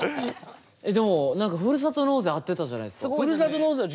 でも何かふるさと納税合ってたじゃないですか。